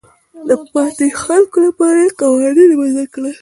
د پاتې خلکو لپاره یې قوانین وضع کړل.